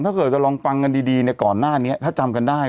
ถ้าเกิดจะลองฟังกันดีเนี่ยก่อนหน้านี้ถ้าจำกันได้